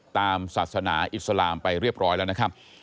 ตามศาสนาอิสลามไปเรียบร้อยแล้วนะครับ